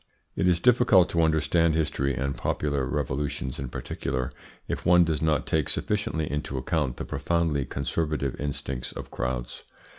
It is difficult to understand history, and popular revolutions in particular, if one does not take sufficiently into account the profoundly conservative instincts of crowds.